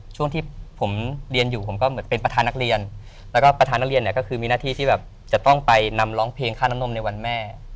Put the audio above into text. ช่วงที่ผมเรียนอยู่ผมก็เหมือนเป็นประธานนักเรียนแล้วก็ประธานนักเรียนเนี่ยก็คือมีหน้าที่ที่แบบจะต้องไปนำร้องเพลงค่าน้ำนมในวันแม่